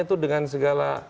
itu dengan segala